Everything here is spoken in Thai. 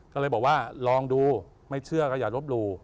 ก็เลยบอกว่าลองดูไม่เชื่อก็อย่าลบหลู่